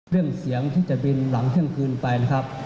ได้๖๗ชั่วโมงต่อคืนครับ